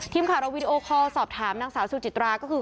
ทีมข่าวเราวีดีโอคอลสอบถามนางสาวสุจิตราก็คือ